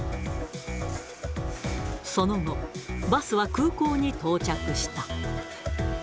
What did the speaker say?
その後、バスは空港に到着した。